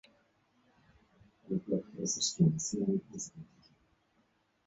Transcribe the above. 构件数据库提供针对构件的驱动库和可以连接到微控制器而建造最终产品的服务。